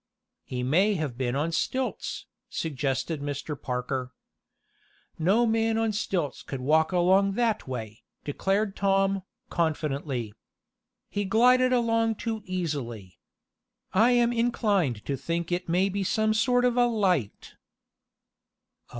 "He may have been on stilts," suggested Mr. Parker. "No man on stilts could walk along that way," declared Tom, confidently. "He glided along too easily. I am inclined to think it may be some sort of a light."